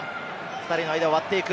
２人の間を割っていく。